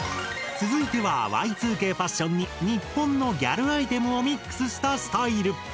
続いてはＹ２Ｋファッションに日本のギャルアイテムをミックスしたスタイル。